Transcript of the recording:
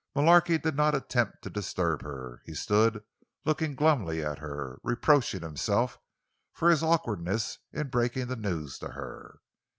Mullarky did not attempt to disturb her; he stood, looking glumly at her, reproaching himself for his awkwardness in breaking the news to her.